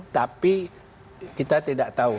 tapi kita tidak tahu